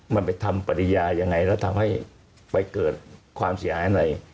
มันไปทำปริญญายังไงแล้วทำให้ไปเกิดความเสียหายหน่อย